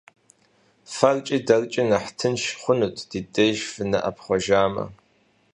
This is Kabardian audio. ФэркӀи дэркӀи нэхъ тынш хъунут ди деж фынэӀэпхъуэжамэ.